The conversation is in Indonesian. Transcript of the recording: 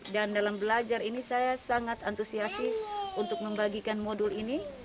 dan dalam belajar ini saya sangat antusiasi untuk membagikan modul ini